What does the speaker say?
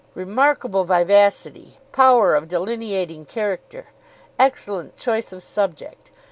"Remarkable vivacity." "Power of delineating character." "Excellent choice of subject."